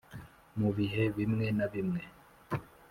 mu bihe bimwe na bimwe